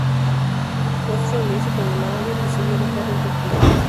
Post reunirse con el mánager, decidió dejar el rugby.